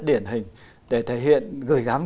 điển hình để thể hiện gửi gắm